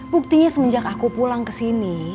buktinya semenjak aku pulang kesini